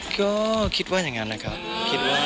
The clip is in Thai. ก็คิดว่าอย่างนั้นแหละครับ